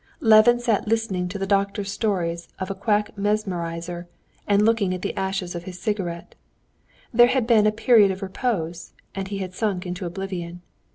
Levin sat listening to the doctor's stories of a quack mesmerizer and looking at the ashes of his cigarette. There had been a period of repose, and he had sunk into oblivion.